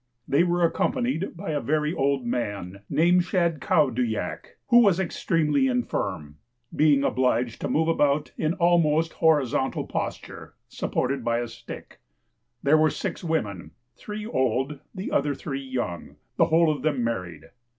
They were accompanied by a very old man named Shad kow doo yak, who was extremely infirm, being obliged to move about in an almost horizontal posture, supported by a stick. There were six women, (three old, the other three young,) the whole of them married.